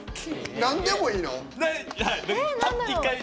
なんでもいいの？